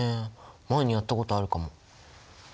前にやったことあるかも。